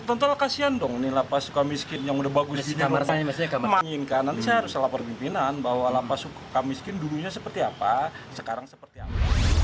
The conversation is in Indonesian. nanti saya harus lapar pimpinan bahwa lapas suka miskin dulunya seperti apa sekarang seperti apa